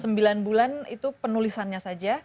sembilan bulan itu penulisannya saja